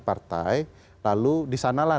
partai lalu disanalah